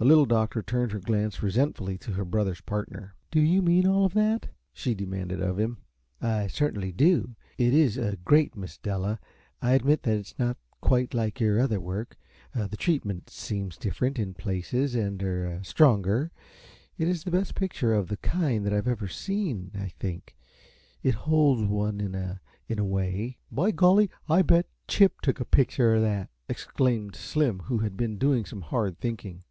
The Little Doctor turned her glance resentfully to her brother's partner. "Do you mean all that?" she demanded of him. "I certainly do. It is great, Miss Della. I admit that it is not quite like your other work; the treatment seems different, in places, and er stronger. It is the best picture of the kind that I have ever seen, I think. It holds one, in a way " "By golly, I bet Chip took a pitcher uh that!" exclaimed Slim, who had been doing some hard thinking.